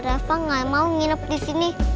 rasa gak mau nginep di sini